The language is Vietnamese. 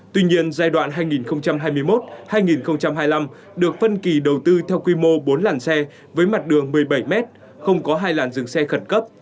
tuy nhiên giai đoạn hai nghìn hai mươi một hai nghìn hai mươi năm được phân kỳ đầu tư theo quy mô bốn làn xe với mặt đường một mươi bảy m không có hai làn dừng xe khẩn cấp